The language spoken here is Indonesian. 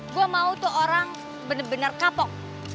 gue mau tuh orang bener bener kapok